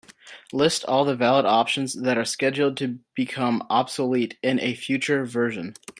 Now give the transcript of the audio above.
List all the valid options that are scheduled to become obsolete in a future version.